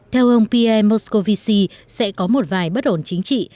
theo ông pm moscovici sẽ có một vài bất ổn chính trị